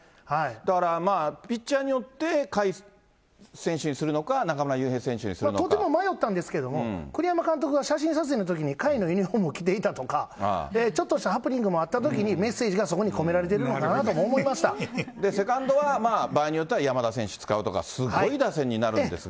だからまあ、ピッチャーによって甲斐選手にするのか、中村悠とても迷ったんですけども、栗山監督が写真撮影のときに甲斐のユニホームを着ていたとか、ちょっとしたハプニングもあったときに、メッセージがそこに込めらセカンドは、場合によっては山田選手使うとか、すごい打線になるんですが。